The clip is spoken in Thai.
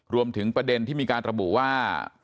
รวมถึงประเด็นที่มีการระบุว่า